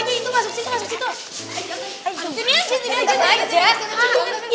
dia jangan sampai dengar